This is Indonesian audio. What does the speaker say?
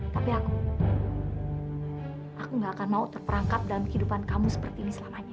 tapi aku aku gak akan mau terperangkap dalam kehidupan kamu seperti ini selamanya